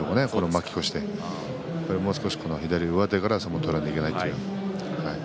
負け越してもう少し、左上手から相撲を取らなければいけないと。